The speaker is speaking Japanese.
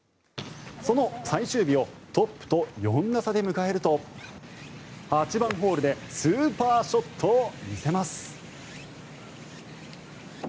その最終日をトップと４打差で迎えると８番ホールでスーパーショットを見せます。